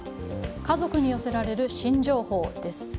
家族に寄せられる新情報です。